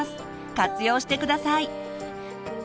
活用して下さい。